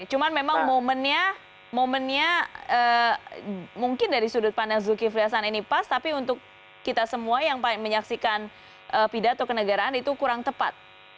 cuma memang momennya mungkin dari sudut pandang zulkifli hasan ini pas tapi untuk kita semua yang menyaksikan pidato kenegaraan itu kurang tepat